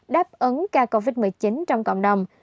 đáp ứng ca covid một mươi chín trong cộng đồng